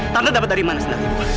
tante dapat dari mana sendal ibu